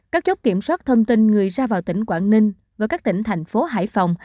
các chốt kiểm soát thông tin người ra vào tỉnh quảng ninh và các tỉnh thành phố hải phòng